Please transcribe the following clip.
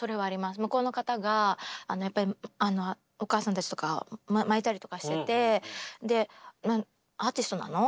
向こうの方がやっぱりおかあさんたちとか巻いたりとかしててアーティストなの？